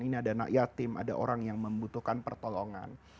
ini ada anak yatim ada orang yang membutuhkan pertolongan